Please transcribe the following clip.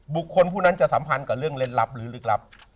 บุคคลผู้นั้นจะสัมพันธ์กับเรื่องเล่นลับหรือลึกลับ